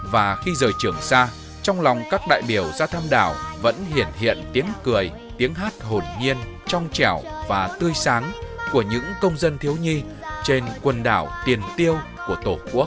và khi rời trường sa trong lòng các đại biểu ra thăm đảo vẫn hiển hiện tiếng cười tiếng hát hồn nhiên trong trẻo và tươi sáng của những công dân thiếu nhi trên quần đảo đất nước và biển đảo